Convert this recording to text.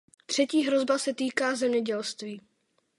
Třetí hrozba se týká zemědělství.